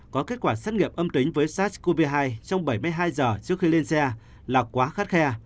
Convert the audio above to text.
có kết quả sát nghiệp âm tính với sars cov hai trong bảy mươi hai giờ trước khi lên xe là quá khát khe